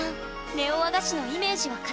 ネオ和菓子のイメージは固まった？